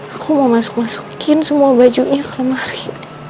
aku mau masuk masukin semua bajunya ke lemari